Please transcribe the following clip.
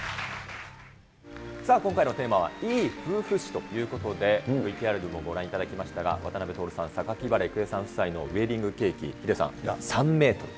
さあ、今回のテーマは、いい夫婦史ということで、ＶＴＲでもご覧いただきましたが、渡辺徹さん、榊原郁恵さん夫妻のウエディングケーキ、ヒデさん、３メートル。